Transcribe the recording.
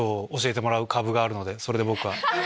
それで僕は。